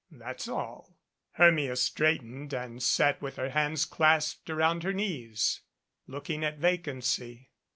That's all." Hermia straightened and sat with her hands clasped around her knees, looking at vacancy.